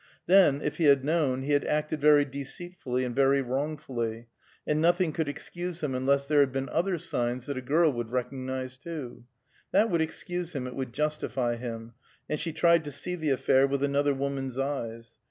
Then, if he had known, he had acted very deceitfully and very wrongfully, and nothing could excuse him unless there had been other signs that a girl would recognize, too. That would excuse him, it would justify him, and she tried to see the affair with another woman's eyes.